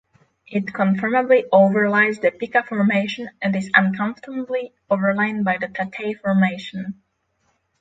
It conformably overlies the Pika Formation and is unconformably overlain by the Tatei Formation.